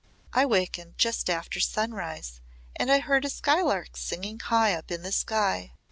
I wakened just after sunrise, and I heard a skylark singing high up in the sky.